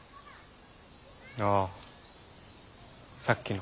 ああさっきの。